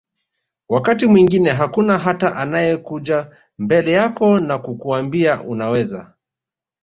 wakati mwingine hakuna hata anakayekuja mbele yako na kukuambia unaweza